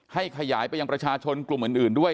ขยายไปยังประชาชนกลุ่มอื่นด้วย